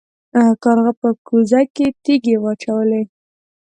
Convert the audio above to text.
کارغه په کوزه کې تیږې واچولې.